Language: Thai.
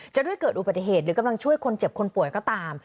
ด้วยเกิดอุบัติเหตุหรือกำลังช่วยคนเจ็บคนป่วยก็ตาม